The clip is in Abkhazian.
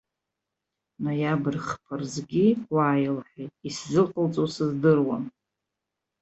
Ноиабр хԥа рзгьы уааи лҳәеит, исзыҟалҵо сыздыруам.